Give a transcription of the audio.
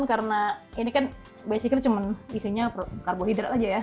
karena ini kan basically cuman isinya karbohidrat aja ya